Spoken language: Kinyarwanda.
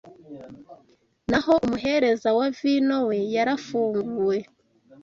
Naho umuhereza wa vino we yarafunguwe